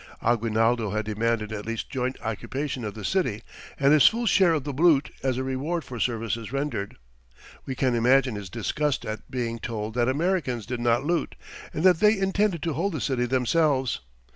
Aguinaldo had demanded at least joint occupation of the city, and his full share of the loot as a reward for services rendered. We can imagine his disgust at being told that Americans did not loot, and that they intended to hold the city themselves.